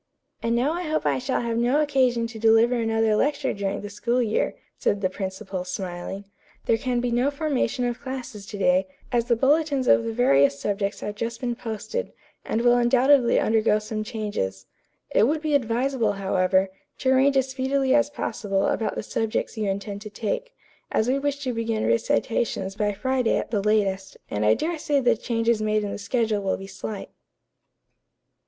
"And now I hope I shall have no occasion to deliver another lecture during the school year," said the principal, smiling. "There can be no formation of classes to day, as the bulletins of the various subjects have just been posted, and will undoubtedly undergo some changes. It would be advisable, however, to arrange as speedily as possible about the subjects you intend to take, as we wish to begin recitations by Friday at the latest, and I dare say the changes made in the schedule will be slight."